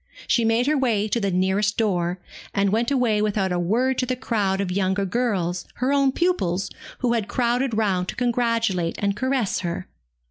She made her way to the nearest door, and went away without a word to the crowd of younger girls, her own pupils, who had crowded round to congratulate and caress her.